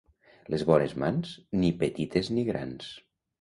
Les bones mans, ni petites ni grans.